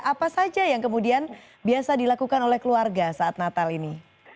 apa saja yang kemudian biasa dilakukan oleh keluarga saat natal ini